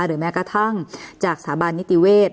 แม้กระทั่งจากสถาบันนิติเวศ